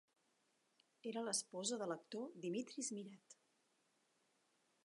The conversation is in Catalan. Era l'esposa de l'actor Dimitris Myrat.